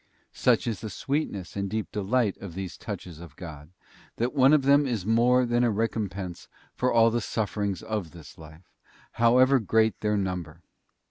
Such is the sweetness and deep delight of these touches of God, that one of them is more than a recom pense for all the sufferings of this life, however great their number.